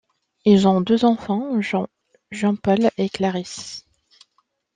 Ils ont deux enfants, Jean-Paul et Clarisse.